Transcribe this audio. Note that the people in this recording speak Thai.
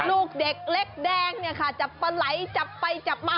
ลูกเด็กเล็กแดงเนี่ยค่ะจับปลาไหลจับไปจับมา